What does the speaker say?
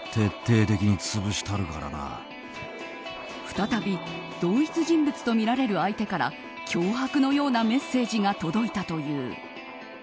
再び同一人物とみられる相手から脅迫のようなメッセージが届いたという。